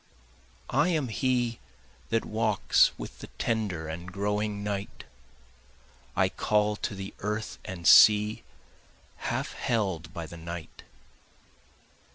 I am he that walks with the tender and growing night, I call to the earth and sea half held by the night.